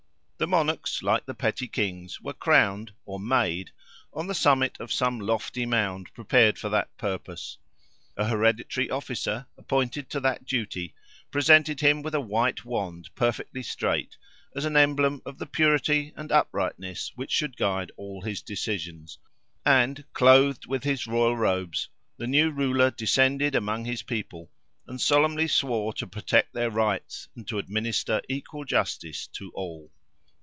The monarchs, like the petty kings, were crowned or "made" on the summit of some lofty mound prepared for that purpose; an hereditary officer, appointed to that duty, presented him with a white wand perfectly straight, as an emblem of the purity and uprightness which should guide all his decisions, and, clothed with his royal robes, the new ruler descended among his people, and solemnly swore to protect their rights and to administer equal justice to all.